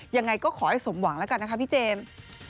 ยังไงก็ขอให้สมหวังแล้วกันนะคะพี่เจมส์